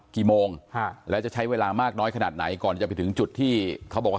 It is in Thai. กี่โมงแล้วจะใช้เวลามากน้อยขนาดไหนก่อนจะไปถึงจุดที่เขาบอกว่า